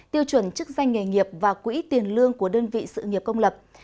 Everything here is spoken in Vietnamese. tiêu chuẩn chức danh nghề nghiệp và quỹ tiền lương của đơn vị sự nghiệp công lập